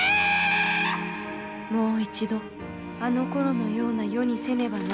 「もう一度あのころのような世にせねばならぬ。